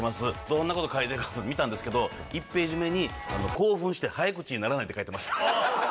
どんなこと書いてるかって見たんですけど、１ページ目に興奮して早口にならないって書いてました。